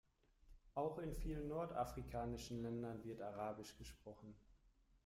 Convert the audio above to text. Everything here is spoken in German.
Auch in vielen nordafrikanischen Ländern wird arabisch gesprochen.